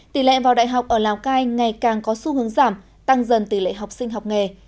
tỷ lệ vào đại học ở lào cai ngày càng có xu hướng giảm tăng dần tỷ lệ học sinh học nghề